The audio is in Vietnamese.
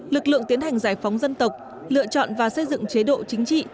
lực lượng tiến hành giải phóng dân tộc lựa chọn và xây dựng chế độ chính trị